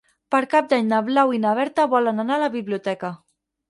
Per Cap d'Any na Blau i na Berta volen anar a la biblioteca.